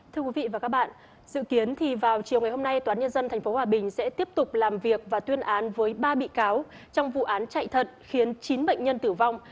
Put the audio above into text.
thưa quý vị và các bạn dự kiến thì vào chiều ngày hôm nay toán nhân dân tp hòa bình sẽ tiếp tục làm việc và tuyên án với ba bị cáo trong vụ án chạy thận khiến chín bệnh nhân tử vong